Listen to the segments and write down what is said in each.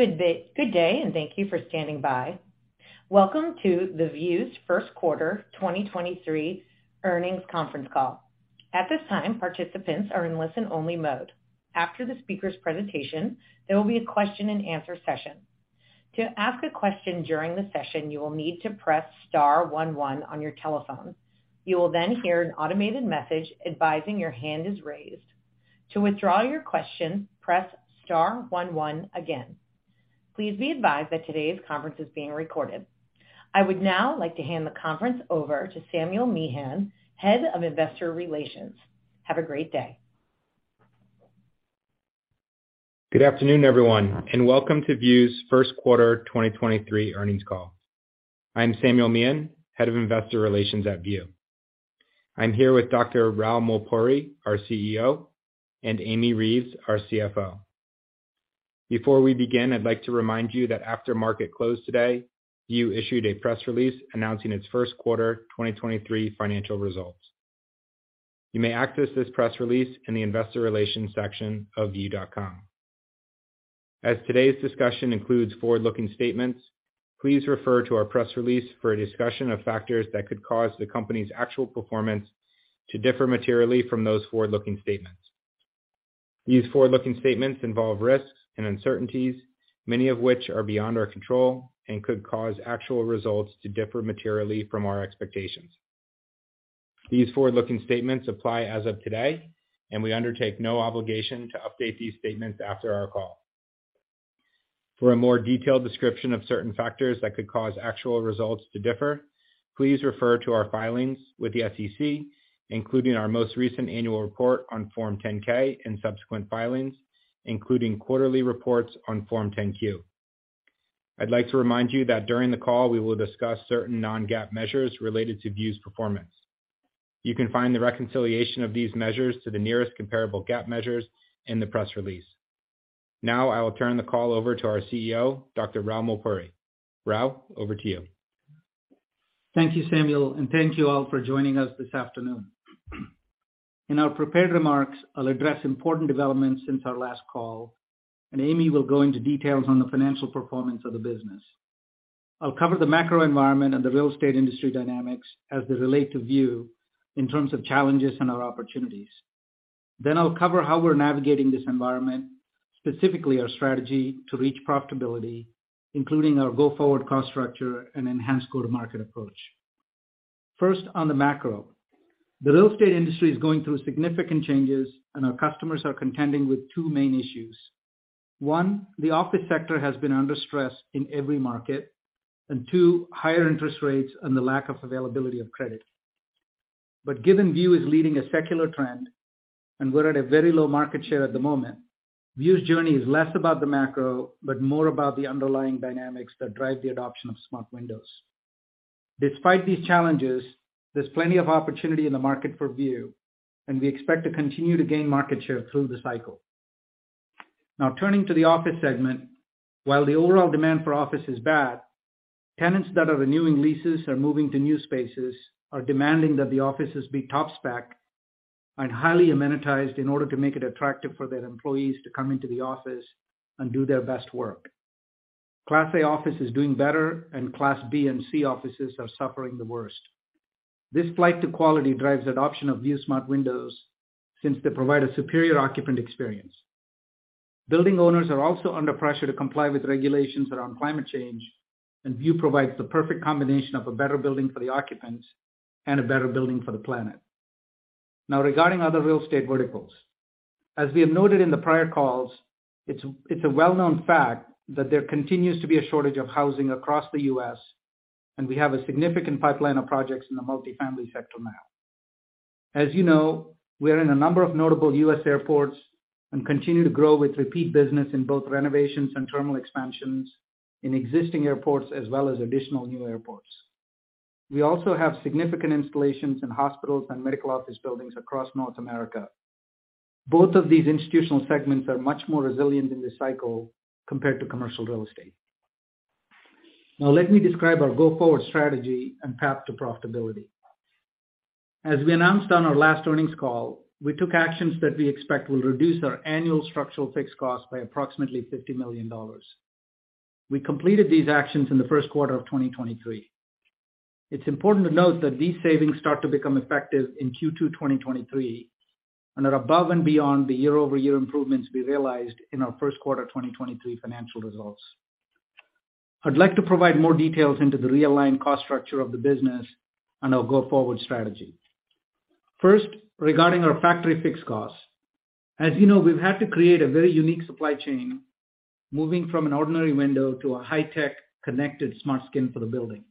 Good day, good day. Thank you for standing by. Welcome to View's first quarter 2023 earnings conference call. At this time, participants are in listen-only mode. After the speaker's presentation, there will be a question-and-answer session. To ask a question during the session, you will need to press star one one on your telephone. You will hear an automated message advising your hand is raised. To withdraw your question, press star one one again. Please be advised that today's conference is being recorded. I would now like to hand the conference over to Samuel Meehan, Head of Investor Relations. Have a great day. Good afternoon, everyone, welcome to View's first quarter 2023 earnings call. I'm Samuel Meehan, Head of Investor Relations at View. I'm here with Dr. Rao Mulpuri, our CEO, and Amy Reeves, our CFO. Before we begin, I'd like to remind you that after market closed today, View issued a press release announcing its first quarter 2023 financial results. You may access this press release in the investor relations section of view.com. Today's discussion includes forward-looking statements, please refer to our press release for a discussion of factors that could cause the company's actual performance to differ materially from those forward-looking statements. These forward-looking statements involve risks and uncertainties, many of which are beyond our control and could cause actual results to differ materially from our expectations. These forward-looking statements apply as of today, we undertake no obligation to update these statements after our call. For a more detailed description of certain factors that could cause actual results to differ, please refer to our filings with the SEC, including our most recent annual report on Form 10-K and subsequent filings, including quarterly reports on Form 10-Q. I'd like to remind you that during the call, we will discuss certain non-GAAP measures related to View's performance. You can find the reconciliation of these measures to the nearest comparable GAAP measures in the press release. Now I will turn the call over to our CEO, Dr. Rao Mulpuri. Rao, over to you. Thank you, Samuel. Thank you all for joining us this afternoon. In our prepared remarks, I'll address important developments since our last call. Amy will go into details on the financial performance of the business. I'll cover the macro environment and the real estate industry dynamics as they relate to View in terms of challenges and our opportunities. I'll cover how we're navigating this environment, specifically our strategy to reach profitability, including our go-forward cost structure and enhanced go-to-market approach. First, on the macro. The real estate industry is going through significant changes. Our customers are contending with two main issues. One, the office sector has been under stress in every market. Two, higher interest rates and the lack of availability of credit. Given View is leading a secular trend, and we're at a very low market share at the moment, View's journey is less about the macro, but more about the underlying dynamics that drive the adoption of Smart Windows. Despite these challenges, there's plenty of opportunity in the market for View, and we expect to continue to gain market share through the cycle. Turning to the office segment. While the overall demand for office is bad, tenants that are renewing leases or moving to new spaces are demanding that the offices be top spec and highly amenitized in order to make it attractive for their employees to come into the office and do their best work. Class A office is doing better, and Class B and C offices are suffering the worst. This flight to quality drives adoption of View Smart Windows since they provide a superior occupant experience. Building owners are also under pressure to comply with regulations around climate change. View provides the perfect combination of a better building for the occupants and a better building for the planet. Now regarding other real estate verticals. As we have noted in the prior calls, it's a well-known fact that there continues to be a shortage of housing across the U.S. We have a significant pipeline of projects in the multifamily sector now. As you know, we are in a number of notable U.S. airports and continue to grow with repeat business in both renovations and terminal expansions in existing airports as well as additional new airports. We also have significant installations in hospitals and medical office buildings across North America. Both of these institutional segments are much more resilient in this cycle compared to commercial real estate. Now let me describe our go-forward strategy and path to profitability. As we announced on our last earnings call, we took actions that we expect will reduce our annual structural fixed cost by approximately $50 million. We completed these actions in the first quarter of 2023. It's important to note that these savings start to become effective in Q2 2023 and are above and beyond the year-over-year improvements we realized in our first quarter 2023 financial results. I'd like to provide more details into the realigned cost structure of the business and our go-forward strategy. First, regarding our factory fixed costs. As you know, we've had to create a very unique supply chain, moving from an ordinary window to a high-tech connected smart skin for the building.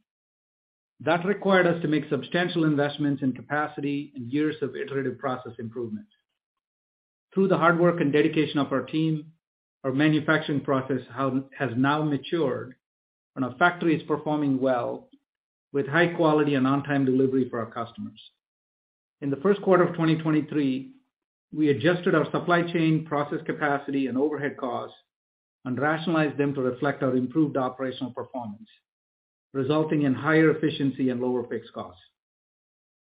That required us to make substantial investments in capacity and years of iterative process improvement. Through the hard work and dedication of our team, our manufacturing process has now matured, and our factory is performing well with high quality and on-time delivery for our customers. In the first quarter of 2023, we adjusted our supply chain process capacity and overhead costs and rationalized them to reflect our improved operational performance, resulting in higher efficiency and lower fixed costs.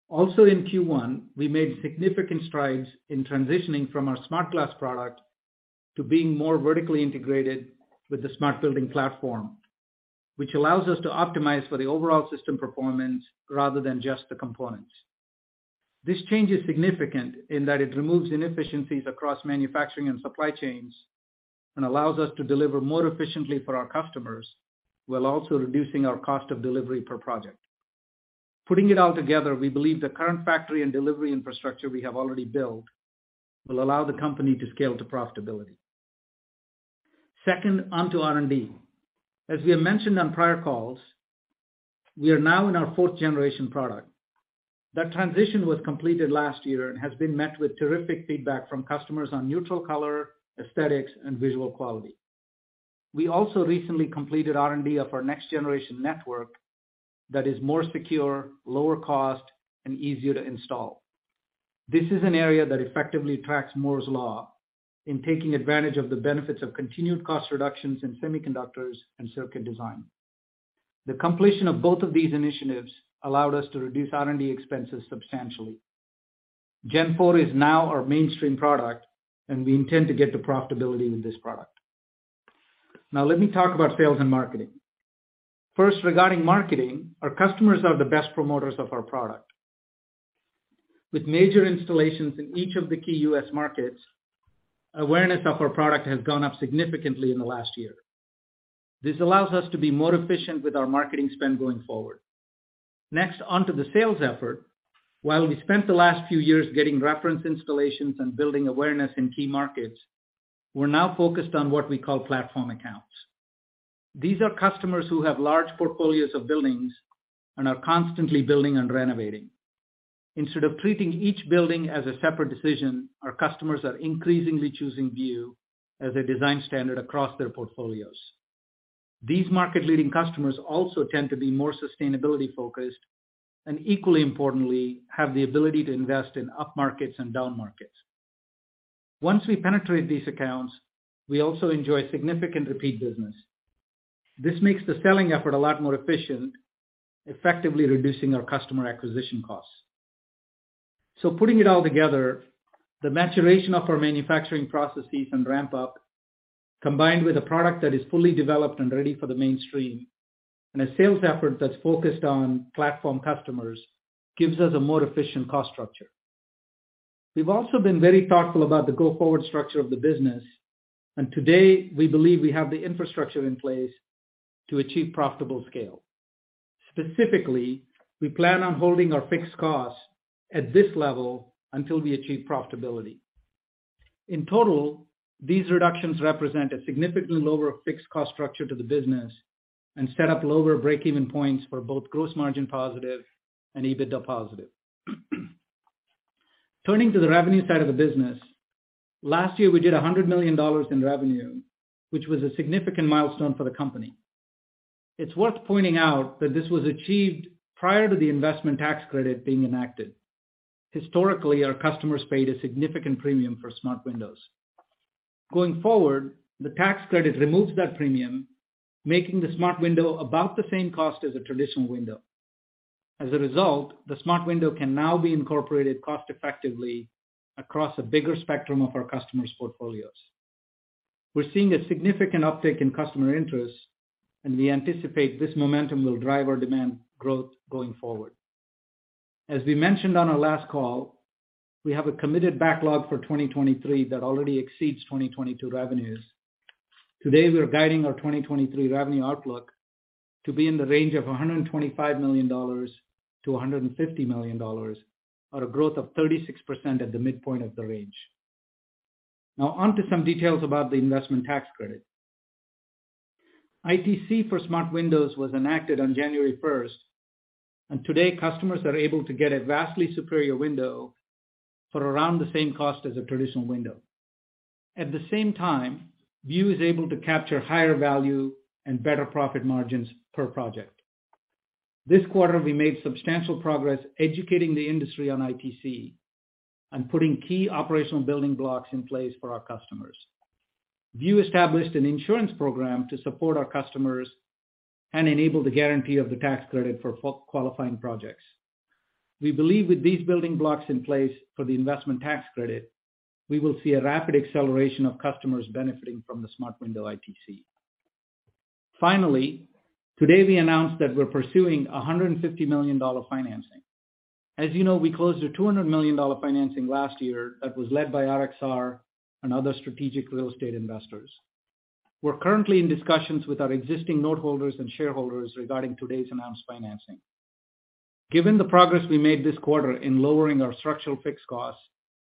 Also in Q1, we made significant strides in transitioning from our Smart Glass product to being more vertically integrated with the Smart Building Platform, which allows us to optimize for the overall system performance rather than just the components. This change is significant in that it removes inefficiencies across manufacturing and supply chains and allows us to deliver more efficiently for our customers while also reducing our cost of delivery per project. Putting it all together, we believe the current factory and delivery infrastructure we have already built will allow the company to scale to profitability. Second, onto R&D. As we have mentioned on prior calls, we are now in our fourth generation product. That transition was completed last year and has been met with terrific feedback from customers on neutral color, aesthetics, and visual quality. We also recently completed R&D of our next generation network that is more secure, lower cost, and easier to install. This is an area that effectively tracks Moore's Law in taking advantage of the benefits of continued cost reductions in semiconductors and circuit design. The completion of both of these initiatives allowed us to reduce R&D expenses substantially. Gen 4 is now our mainstream product, and we intend to get to profitability with this product. Now let me talk about sales and marketing. First, regarding marketing, our customers are the best promoters of our product. With major installations in each of the key U.S. markets, awareness of our product has gone up significantly in the last year. This allows us to be more efficient with our marketing spend going forward. Next, onto the sales effort. While we spent the last few years getting reference installations and building awareness in key markets, we're now focused on what we call platform accounts. These are customers who have large portfolios of buildings and are constantly building and renovating. Instead of treating each building as a separate decision, our customers are increasingly choosing View as a design standard across their portfolios. These market leading customers also tend to be more sustainability focused and, equally importantly, have the ability to invest in up markets and down markets. Once we penetrate these accounts, we also enjoy significant repeat business. This makes the selling effort a lot more efficient, effectively reducing our customer acquisition costs. Putting it all together, the maturation of our manufacturing processes and ramp up, combined with a product that is fully developed and ready for the mainstream, and a sales effort that's focused on platform customers, gives us a more efficient cost structure. We've also been very thoughtful about the go-forward structure of the business, today we believe we have the infrastructure in place to achieve profitable scale. Specifically, we plan on holding our fixed costs at this level until we achieve profitability. In total, these reductions represent a significantly lower fixed cost structure to the business and set up lower break-even points for both gross margin positive and EBITDA positive. Turning to the revenue side of the business. Last year we did $100 million in revenue, which was a significant milestone for the company. It's worth pointing out that this was achieved prior to the Investment Tax Credit being enacted. Historically, our customers paid a significant premium for Smart Windows. Going forward, the tax credit removes that premium, making the Smart Window about the same cost as a traditional window. As a result, the Smart Window can now be incorporated cost effectively across a bigger spectrum of our customers' portfolios. We're seeing a significant uptick in customer interest, we anticipate this momentum will drive our demand growth going forward. As we mentioned on our last call, we have a committed backlog for 2023 that already exceeds 2022 revenues. Today, we are guiding our 2023 revenue outlook to be in the range of $125 million-$150 million, or a growth of 36% at the midpoint of the range. Onto some details about the Investment Tax Credit. ITC for Smart Windows was enacted on January 1st, today customers are able to get a vastly superior window for around the same cost as a traditional window. At the same time, View is able to capture higher value and better profit margins per project. This quarter we made substantial progress educating the industry on ITC and putting key operational building blocks in place for our customers. View established an insurance program to support our customers and enable the guarantee of the tax credit for qualifying projects. We believe with these building blocks in place for the Investment Tax Credit, we will see a rapid acceleration of customers benefiting from the Smart Window ITC. Finally, today, we announced that we're pursuing a $150 million financing. As you know, we closed a $200 million financing last year that was led by RXR and other strategic real estate investors. We're currently in discussions with our existing note holders and shareholders regarding today's announced financing. Given the progress we made this quarter in lowering our structural fixed costs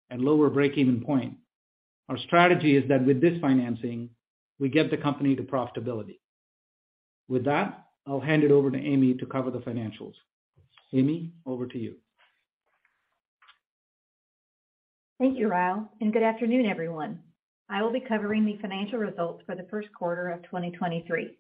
and lower break-even point, our strategy is that with this financing, we get the company to profitability. With that, I'll hand it over to Amy to cover the financials. Amy, over to you. Thank you, Rao, and good afternoon, everyone. I will be covering the financial results for the first quarter of 2023.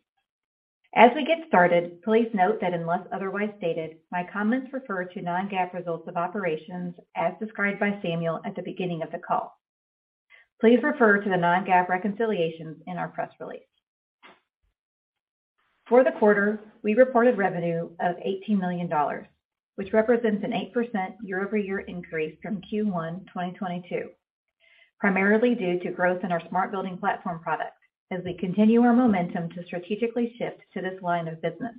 As we get started, please note that unless otherwise stated, my comments refer to non-GAAP results of operations as described by Samuel at the beginning of the call. Please refer to the non-GAAP reconciliations in our press release. For the quarter, we reported revenue of $18 million, which represents an 8% year-over-year increase from Q1 2022, primarily due to growth in our Smart Building Platform products as we continue our momentum to strategically shift to this line of business.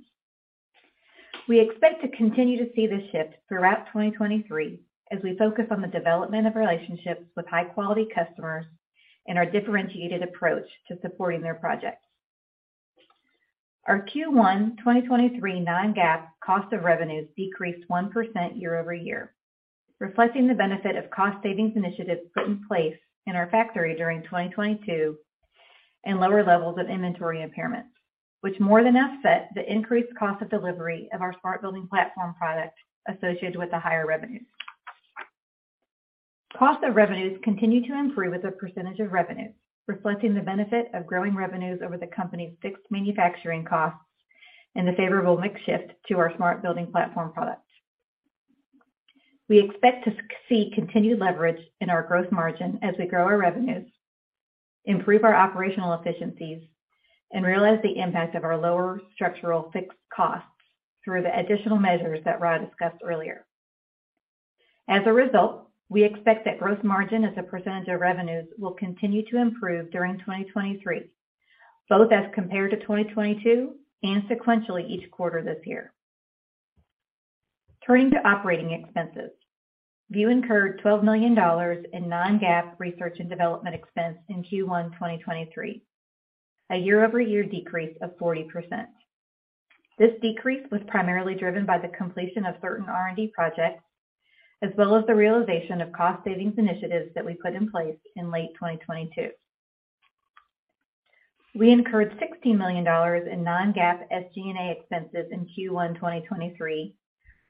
We expect to continue to see this shift throughout 2023 as we focus on the development of relationships with high-quality customers and our differentiated approach to supporting their projects. Our Q1 2023 non-GAAP cost of revenues decreased 1% year-over-year, reflecting the benefit of cost savings initiatives put in place in our factory during 2022 and lower levels of inventory impairments, which more than offset the increased cost of delivery of our Smart Building Platform products associated with the higher revenues. Cost of revenues continue to improve as a % of revenue, reflecting the benefit of growing revenues over the company's fixed manufacturing costs and the favorable mix shift to our Smart Building Platform products. We expect to see continued leverage in our growth margin as we grow our revenues, improve our operational efficiencies, and realize the impact of our lower structural fixed costs through the additional measures that Rao discussed earlier. We expect that gross margin as a percentage of revenues will continue to improve during 2023, both as compared to 2022 and sequentially each quarter this year. Turning to operating expenses. View incurred $12 million in non-GAAP research and development expense in Q1 2023, a year-over-year decrease of 40%. This decrease was primarily driven by the completion of certain R&D projects, as well as the realization of cost savings initiatives that we put in place in late 2022. We incurred $16 million in non-GAAP SG&A expenses in Q1 2023,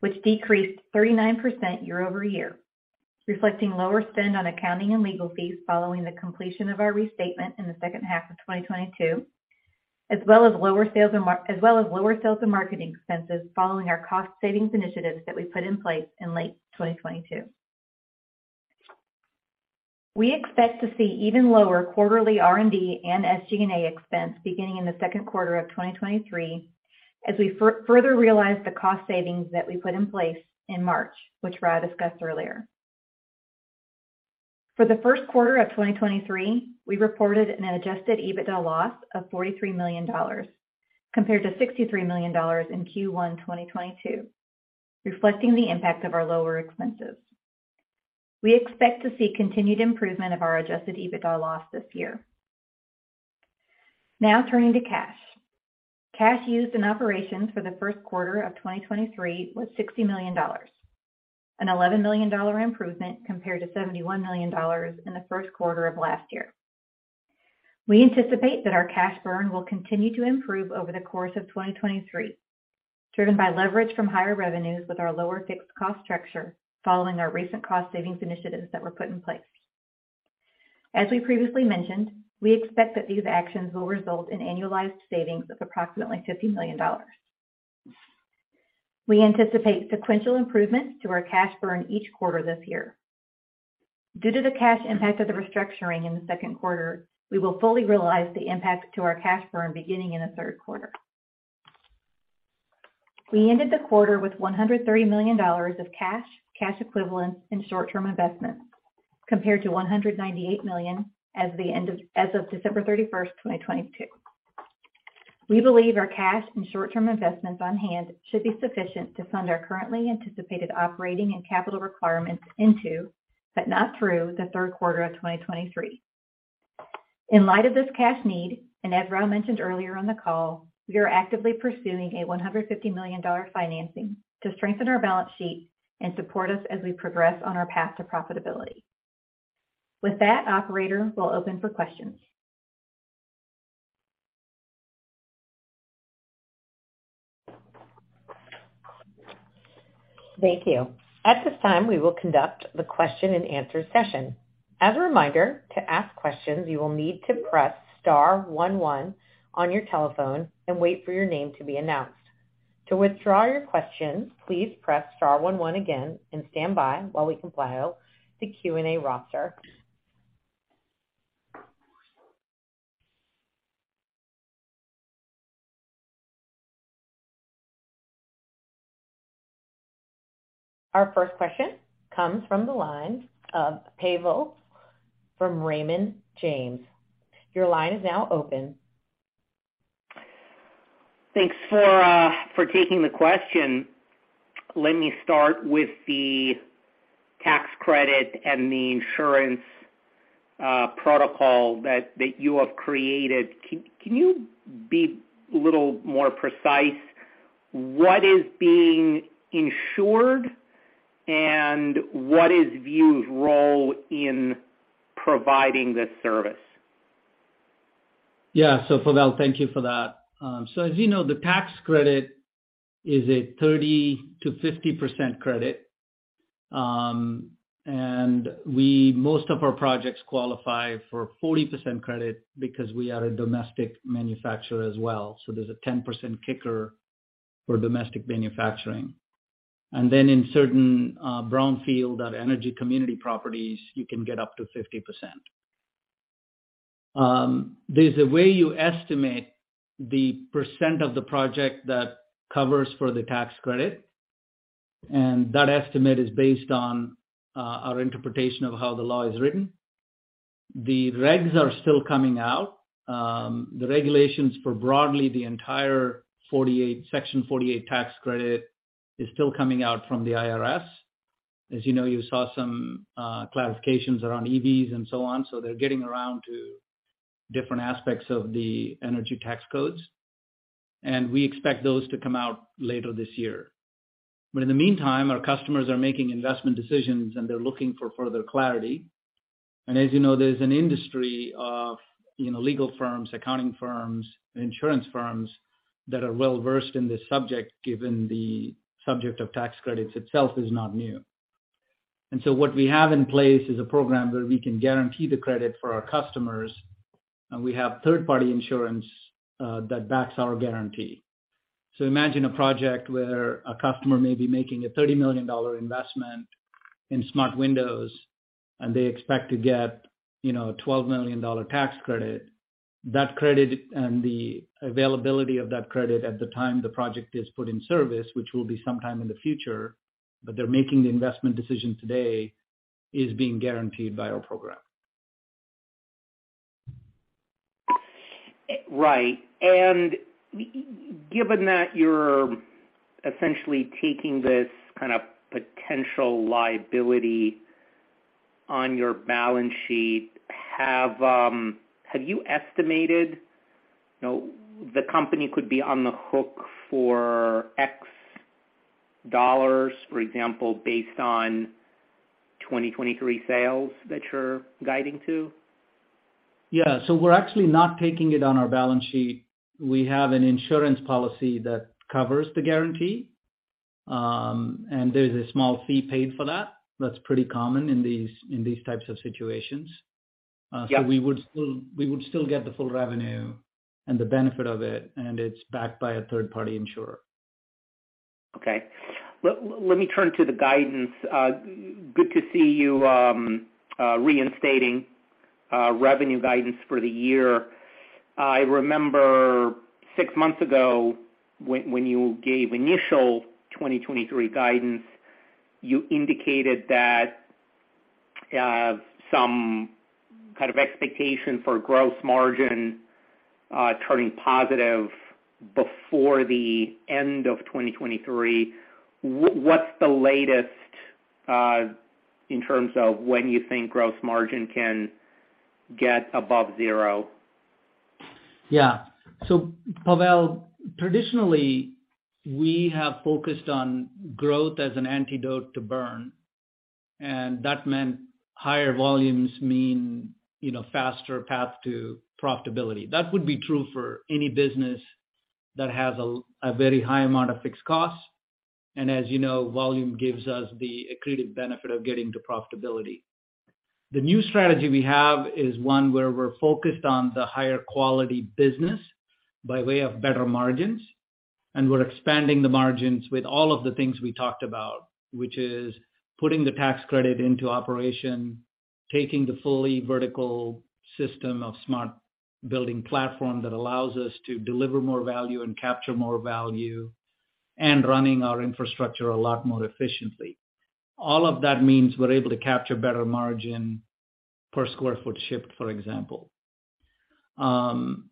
which decreased 39% year-over-year, reflecting lower spend on accounting and legal fees following the completion of our restatement in the second half of 2022, as well as lower sales and marketing expenses following our cost savings initiatives that we put in place in late 2022. We expect to see even lower quarterly R&D and SG&A expense beginning in the second quarter of 2023 as we further realize the cost savings that we put in place in March, which Rao discussed earlier. For the first quarter of 2023, we reported an adjusted EBITDA loss of $43 million compared to $63 million in Q1 2022, reflecting the impact of our lower expenses. We expect to see continued improvement of our adjusted EBITDA loss this year. Turning to cash. Cash used in operations for the first quarter of 2023 was $60 million, an $11 million improvement compared to $71 million in the first quarter of last year. We anticipate that our cash burn will continue to improve over the course of 2023, driven by leverage from higher revenues with our lower fixed cost structure following our recent cost savings initiatives that were put in place. As we previously mentioned, we expect that these actions will result in annualized savings of approximately $50 million. We anticipate sequential improvements to our cash burn each quarter this year. Due to the cash impact of the restructuring in the second quarter, we will fully realize the impact to our cash burn beginning in the third quarter. We ended the quarter with $130 million of cash equivalents and short-term investments, compared to $198 million as of December 31, 2022. We believe our cash and short-term investments on hand should be sufficient to fund our currently anticipated operating and capital requirements into, but not through, the third quarter of 2023. In light of this cash need, as Rao mentioned earlier on the call, we are actively pursuing a $150 million financing to strengthen our balance sheet and support us as we progress on our path to profitability. With that, operator, we'll open for questions. Thank you. At this time, we will conduct the question-and-answer session. As a reminder, to ask questions, you will need to press star one one on your telephone and wait for your name to be announced. To withdraw your questions, please press star one one again and stand by while we compile the Q&A roster. Our first question comes from the line of Pavel from Raymond James. Your line is now open. Thanks for for taking the question. Let me start with the tax credit and the insurance protocol that you have created. Can you be a little more precise what is being insured and what is View's role in providing this service? Yeah. Pavel, thank you for that. As you know, the tax credit is a 30%-50% credit. Most of our projects qualify for 40% credit because we are a domestic manufacturer as well, so there's a 10% kicker for domestic manufacturing. In certain brownfield or energy community properties, you can get up to 50%. There's a way you estimate the percent of the project that covers for the tax credit, and that estimate is based on our interpretation of how the law is written. The regs are still coming out. The regulations for broadly the entire Section Forty-Eight tax credit is still coming out from the IRS. As you know, you saw some classifications around EVs and so on. They're getting around to different aspects of the energy tax codes. We expect those to come out later this year. In the meantime, our customers are making investment decisions, and they're looking for further clarity. As you know, there's an industry of, you know, legal firms, accounting firms, insurance firms that are well-versed in this subject, given the subject of tax credits itself is not new. What we have in place is a program where we can guarantee the credit for our customers, and we have third-party insurance that backs our guarantee. Imagine a project where a customer may be making a $30 million investment in Smart Windows, and they expect to get, you know, a $12 million tax credit. That credit and the availability of that credit at the time the project is put in service, which will be sometime in the future, but they're making the investment decision today, is being guaranteed by our program. Right. given that you're essentially taking this kind of potential liability on your balance sheet, have you estimated, you know, the company could be on the hook for X dollars, for example, based on 2023 sales that you're guiding to? Yeah. We're actually not taking it on our balance sheet. We have an insurance policy that covers the guarantee, and there's a small fee paid for that. That's pretty common in these types of situations. Yeah. We would still get the full revenue and the benefit of it, and it's backed by a third-party insurer. Okay. Let me turn to the guidance. Good to see you reinstating revenue guidance for the year. I remember six months ago when you gave initial 2023 guidance, you indicated that some kind of expectation for gross margin turning positive before the end of 2023. What's the latest in terms of when you think gross margin can get above 0? Pavel, traditionally, we have focused on growth as an antidote to burn, and that meant higher volumes mean, you know, faster path to profitability. That would be true for any business that has a very high amount of fixed costs. And as you know, volume gives us the accreted benefit of getting to profitability. The new strategy we have is one where we're focused on the higher quality business by way of better margins, and we're expanding the margins with all of the things we talked about, which is putting the Investment Tax Credit into operation, taking the fully vertical system of Smart Building Platform that allows us to deliver more value and capture more value, and running our infrastructure a lot more efficiently. All of that means we're able to capture better margin per square foot shipped, for example. On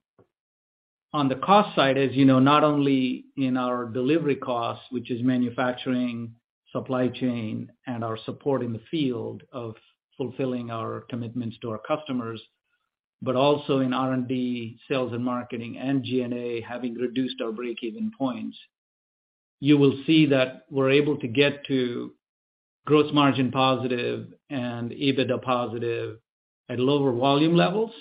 the cost side, as you know, not only in our delivery costs, which is manufacturing, supply chain, and our support in the field of fulfilling our commitments to our customers, but also in R&D, sales and marketing and G&A, having reduced our break-even points. You will see that we're able to get to gross margin positive and EBITDA positive at lower volume levels,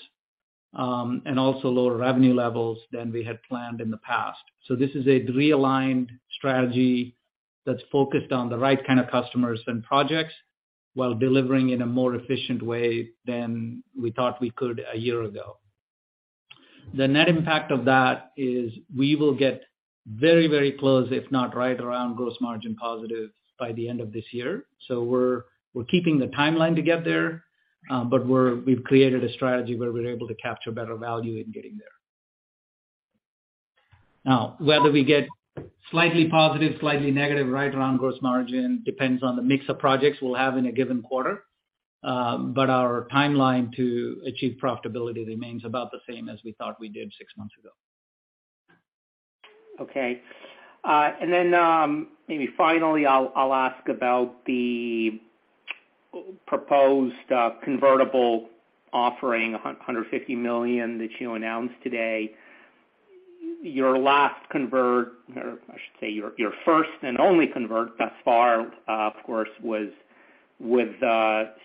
and also lower revenue levels than we had planned in the past. This is a realigned strategy that's focused on the right kind of customers and projects while delivering in a more efficient way than we thought we could a year ago. The net impact of that is we will get very, very close, if not right around gross margin positive by the end of this year. We're keeping the timeline to get there, but we've created a strategy where we're able to capture better value in getting there. Whether we get slightly positive, slightly negative right around gross margin depends on the mix of projects we'll have in a given quarter. Our timeline to achieve profitability remains about the same as we thought we did 6 months ago. Okay. Then, maybe finally I'll ask about the proposed convertible offering, a $150 million that you announced today. Your last convert, or I should say your first and only convert thus far, of course was with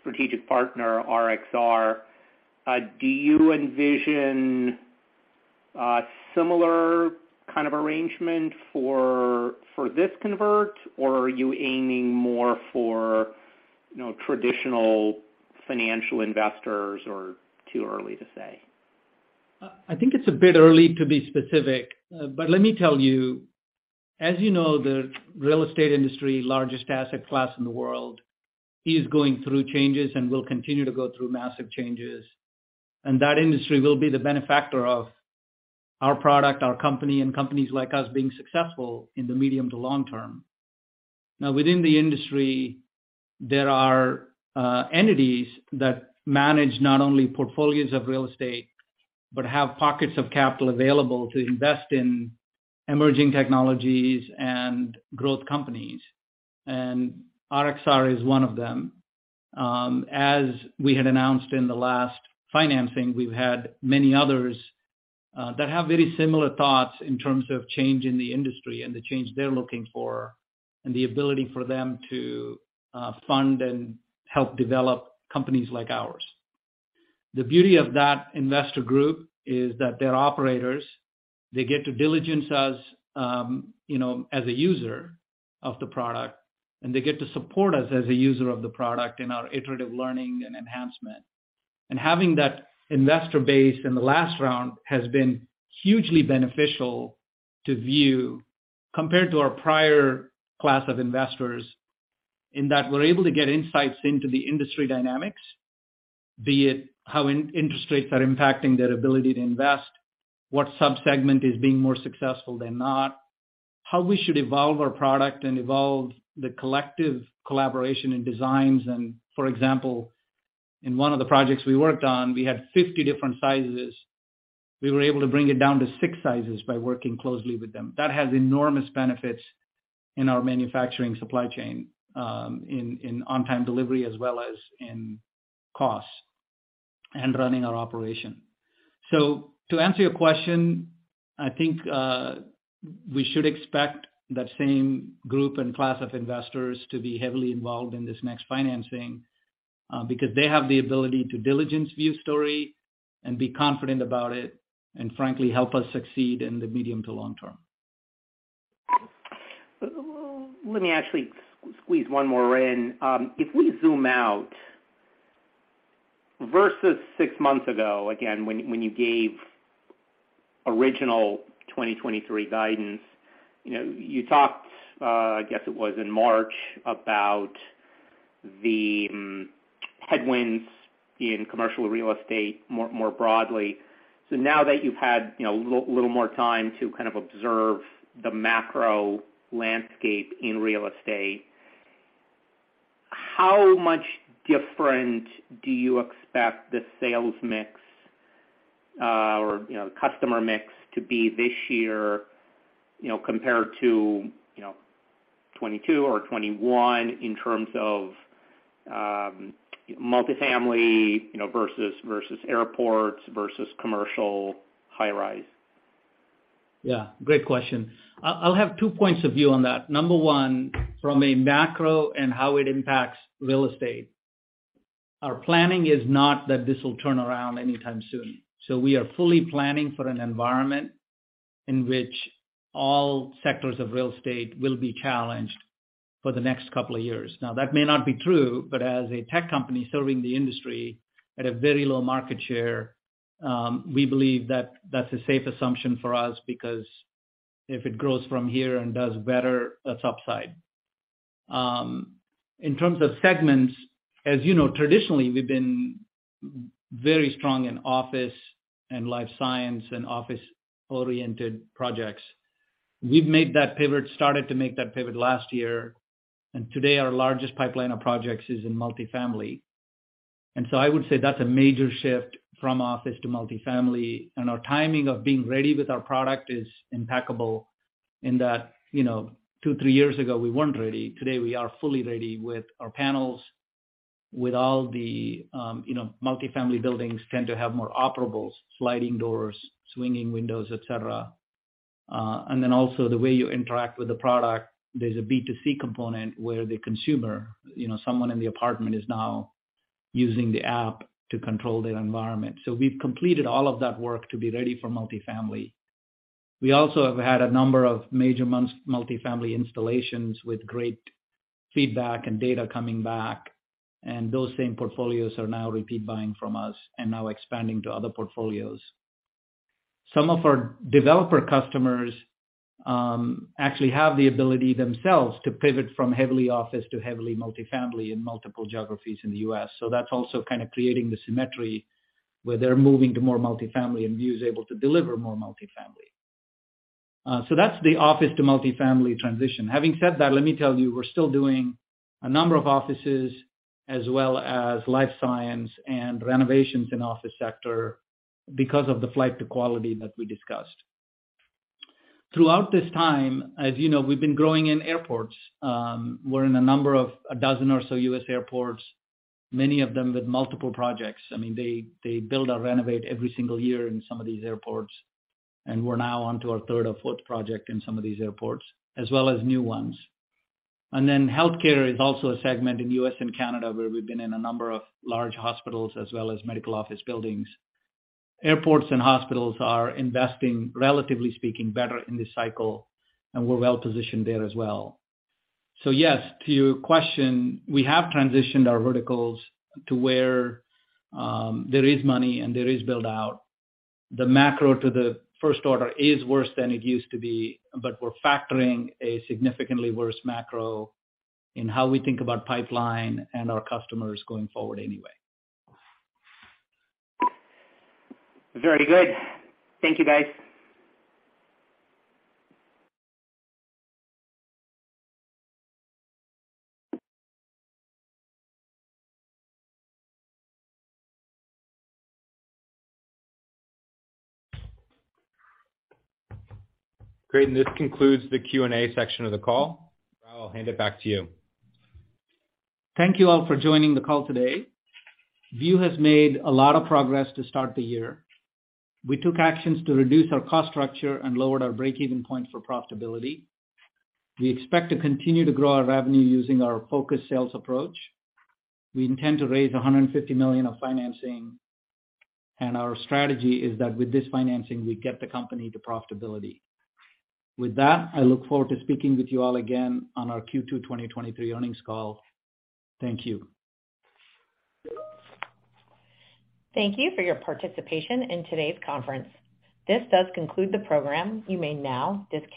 strategic partner RXR. Do you envision a similar kind of arrangement for this convert, or are you aiming more for, you know, traditional financial investors, or too early to say? I think it's a bit early to be specific. But let me tell you, as you know, the real estate industry, largest asset class in the world, is going through changes and will continue to go through massive changes. That industry will be the benefactor of our product, our company, and companies like us being successful in the medium to long term. Now, within the industry, there are entities that manage not only portfolios of real estate, but have pockets of capital available to invest in emerging technologies and growth companies. RXR is one of them. As we had announced in the last financing, we've had many others that have very similar thoughts in terms of change in the industry and the change they're looking for, and the ability for them to fund and help develop companies like ours. The beauty of that investor group is that they're operators. They get to diligence us, you know, as a user of the product, and they get to support us as a user of the product in our iterative learning and enhancement. Having that investor base in the last round has been hugely beneficial to View compared to our prior class of investors, in that we're able to get insights into the industry dynamics, be it how in-interest rates are impacting their ability to invest, what sub-segment is being more successful than not, how we should evolve our product and evolve the collective collaboration and designs. For example, in one of the projects we worked on, we had 50 different sizes. We were able to bring it down to 6 sizes by working closely with them. That has enormous benefits in our manufacturing supply chain, in on-time delivery as well as in costs and running our operation. To answer your question, I think, we should expect that same group and class of investors to be heavily involved in this next financing, because they have the ability to diligence View's story and be confident about it, and frankly, help us succeed in the medium to long term. Let me actually squeeze one more in. If we zoom out, versus 6 months ago, again, when you gave original 2023 guidance, you know, you talked, I guess it was in March, about the headwinds in commercial real estate more, more broadly. Now that you've had, you know, a little more time to kind of observe the macro landscape in real estate, how much different do you expect the sales mix, or, you know, customer mix to be this year, you know, compared to, you know, 22 or 21 in terms of, multifamily, you know, versus airports, versus commercial high-rise? Yeah, great question. I'll have 2 points of view on that. Number one, from a macro and how it impacts real estate, our planning is not that this will turn around anytime soon. We are fully planning for an environment in which all sectors of real estate will be challenged for the next 2 years. That may not be true, but as a tech company serving the industry at a very low market share, we believe that that's a safe assumption for us because if it grows from here and does better, that's upside. In terms of segments, as you know, traditionally, we've been very strong in office and life science and office-oriented projects. We've made that pivot, started to make that pivot last year, and today our largest pipeline of projects is in multifamily. I would say that's a major shift from office to multifamily. Our timing of being ready with our product is impeccable in that, you know, 2, 3 years ago, we weren't ready. Today, we are fully ready with our panels, with all the, you know, multifamily buildings tend to have more operables, sliding doors, swinging windows, et cetera. Also the way you interact with the product, there's a B2C component where the consumer, you know, someone in the apartment is now using the app to control their environment. We've completed all of that work to be ready for multifamily. We also have had a number of major multifamily installations with great feedback and data coming back, and those same portfolios are now repeat buying from us and now expanding to other portfolios. Some of our developer customers, actually have the ability themselves to pivot from heavily office to heavily multifamily in multiple geographies in the U.S. That's also kind of creating the symmetry where they're moving to more multifamily and View is able to deliver more multifamily. That's the office to multifamily transition. Having said that, let me tell you, we're still doing a number of offices as well as life science and renovations in office sector because of the flight to quality that we discussed. Throughout this time, as you know, we've been growing in airports. We're in a number of 12 or so U.S. airports, many of them with multiple projects. I mean, they build or renovate every single year in some of these airports, and we're now onto our third or fourth project in some of these airports, as well as new ones. Healthcare is also a segment in U.S. and Canada, where we've been in a number of large hospitals as well as medical office buildings. Airports and hospitals are investing, relatively speaking, better in this cycle, and we're well positioned there as well. Yes, to your question, we have transitioned our verticals to where there is money and there is build out. The macro to the first order is worse than it used to be, but we're factoring a significantly worse macro in how we think about pipeline and our customers going forward anyway. Very good. Thank you, guys. Great. This concludes the Q&A section of the call. Rao, I'll hand it back to you. Thank you all for joining the call today. View has made a lot of progress to start the year. We took actions to reduce our cost structure and lowered our breakeven point for profitability. We expect to continue to grow our revenue using our focused sales approach. We intend to raise $150 million of financing. Our strategy is that with this financing, we get the company to profitability. With that, I look forward to speaking with you all again on our Q2 2023 earnings call. Thank you. Thank you for your participation in today's conference. This does conclude the program. You may now disconnect.